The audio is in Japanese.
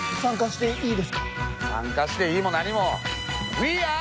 参加していいも何もウィーアー。